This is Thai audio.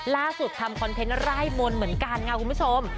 ล่าสุดทำคอนเทนต์ไล่มนต์เหมือนกันนะคุณผู้ชม